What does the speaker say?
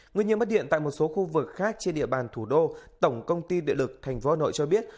nguyên nhân mất điện tại một số khu vực khác trên địa bàn thủ đô tổng công ty địa lực tp hà nội cho biết